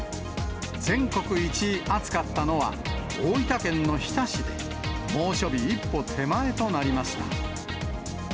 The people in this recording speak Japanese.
全国一暑かったのは、大分県の日田市で、猛暑日一歩手前となりました。